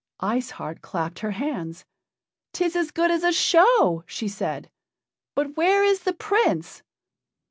Ice Heart clapped her hands. "'Tis as good as a show," she said, "but where is the Prince?"